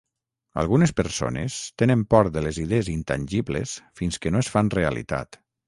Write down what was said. Algunes persones tenen por de les idees intangibles fins que no es fan realitat.